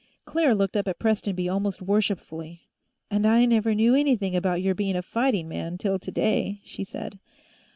Claire looked up at Prestonby almost worshipfully. "And I never knew anything about your being a fighting man, till today," she said.